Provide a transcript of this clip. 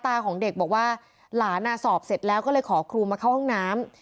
ของเด็กบอกว่าหลานสอบเสร็จแล้วก็เลยขอครูมาเข้าห้องน้ำ